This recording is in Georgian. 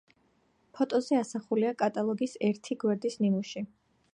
ფოტოზე ასახულია კატალოგის ერთი გვერდის ნიმუში.